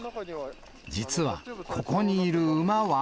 実は、ここにいる馬は。